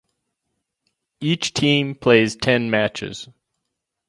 Each team plays ten matches.